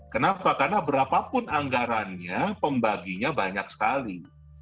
kenapa karena berapapun anggarannya pembaginya banyak sekali